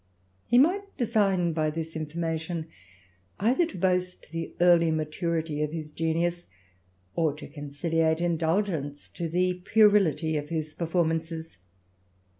He might design by this information, either to boast the early maturity of his genius, or to conciliate indulgence to the puerility of his perform ances.